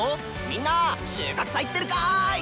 みんな収穫祭ってるかい！